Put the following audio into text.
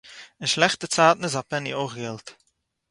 אין שלעכטע צײַטן איז אַ פּעני אױך געלט.